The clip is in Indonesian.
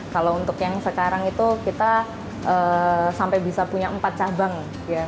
kalau untuk yang sekarang itu kita sampai bisa punya empat cabang